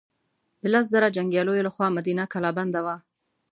د لس زره جنګیالیو له خوا مدینه کلا بنده وه.